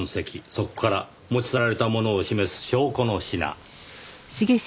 そこから持ち去られたものを示す証拠の品。